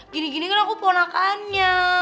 gini gini kan aku ponakannya